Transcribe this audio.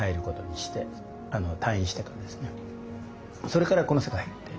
それからこの世界入って。